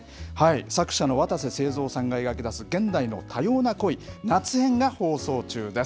作者のわたせせいぞうさんが描き出す現代の多様な恋、夏編が放送中です。